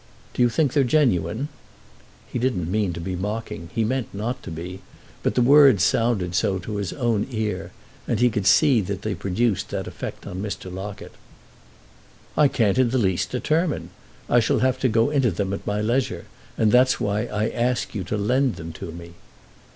"Do you think they're genuine?" He didn't mean to be mocking, he meant not to be; but the words sounded so to his own ear, and he could see that they produced that effect on Mr. Locket. "I can't in the least determine. I shall have to go into them at my leisure, and that's why I ask you to lend them to me."